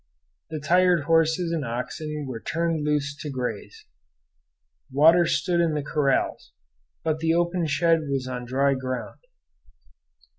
The tired horses and oxen were turned loose to graze. Water stood in the corrals, but the open shed was on dry ground.